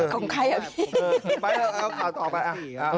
ของใครหรอพี่เอาต่อไปอะ